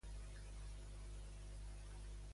Per què no va mai a confiar-se?